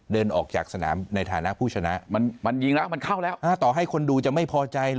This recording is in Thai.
เดินออกจากสนามในฐานะผู้ชนะมันยิงแล้วมันเข้าแล้วต่อให้คนดูจะไม่พอใจเหรอ